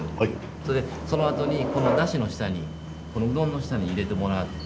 それでそのあとにこのだしの下にこのうどんの下に入れてもらって。